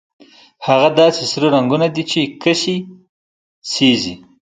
هغه داسې سره رنګونه دي چې کسي سېزي.